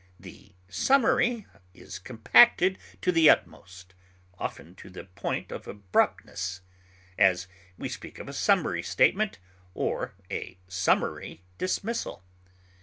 The summary is compacted to the utmost, often to the point of abruptness; as, we speak of a summary statement or a summary dismissal.